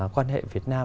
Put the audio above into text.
quan hệ việt nam